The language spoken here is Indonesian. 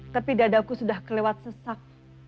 tapi dadaku sudah kelewat sesak